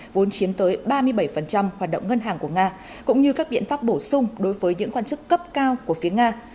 vốn chiếm tới ba mươi bảy hoạt động ngân hàng của nga cũng như các biện pháp bổ sung đối với những quan chức cấp cao của phía nga